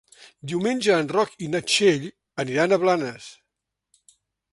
Diumenge en Roc i na Txell aniran a Blanes.